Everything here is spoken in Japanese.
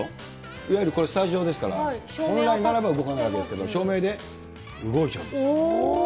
いわゆるこれ、スタジオですから、本来ならば動かないわけですけれども、照明で動いちゃうんです。